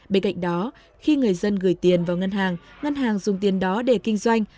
bên cạnh đó khi người dân gửi tiền vào ngân hàng ngân hàng dùng tiền đó để kinh doanh